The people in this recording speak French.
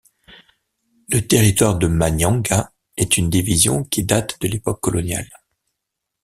Le territoire de Manyanga est une division qui date de l'époque coloniale.